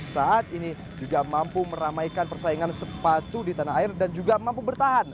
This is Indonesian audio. saat ini juga mampu meramaikan persaingan sepatu di tanah air dan juga mampu bertahan